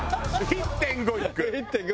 １．５いくの？